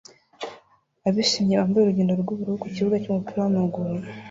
Abishimye bambaye urugendo rwubururu ku kibuga cyumupira wamaguru